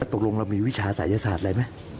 ถ้าตกลงเรามีวิชาศาสตร์ยาศาสตร์อะไรมั้ย